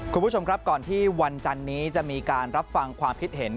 คุณผู้ชมครับก่อนที่วันจันนี้จะมีการรับฟังความคิดเห็น